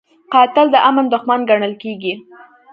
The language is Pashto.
قاتل د امن دښمن ګڼل کېږي